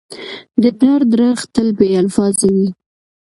د درد ږغ تل بې الفاظه وي.